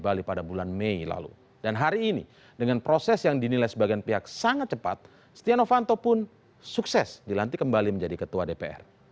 setianowanto juga menilai keputusan setianowanto untuk menjadikan setianowanto menjadi ketua dpr